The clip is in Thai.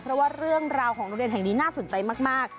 เพราะว่าเรื่องราวของโรงเรียนแห่งนี้น่าสนใจมาก